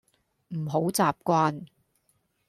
唔好習慣